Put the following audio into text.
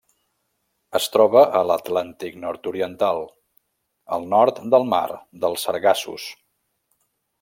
Es troba a l'Atlàntic nord-oriental: el nord del mar dels Sargassos.